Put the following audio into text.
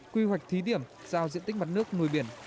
quy hoạch thí điểm giao diện tích mặt nước nuôi biển